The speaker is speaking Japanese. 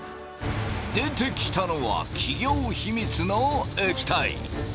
出てきたのは企業秘密の液体。